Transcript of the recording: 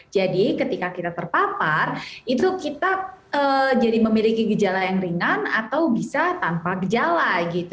jadi ketika kita terpapar itu kita jadi memiliki gejala yang ringan atau bisa tanpa gejala gitu